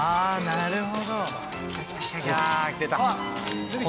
なるほど。